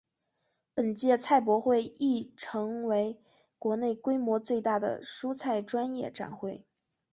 本届菜博会亦成为国内规模最大的蔬菜专业展会。